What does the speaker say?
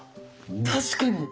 確かに！